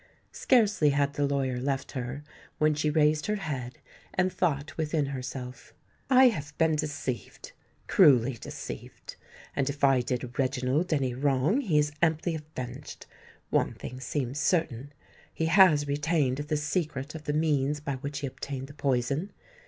Scarcely had the lawyer left her, when she raised her head, and thought within herself, "I have been deceived—cruelly deceived; and if I did Reginald any wrong, he is amply avenged. One thing seems certain—he has retained the secret of the means by which he obtained the poison.